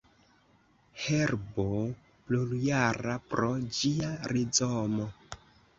Herbo plurjara pro ĝia rizomo.